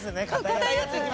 堅いやつ。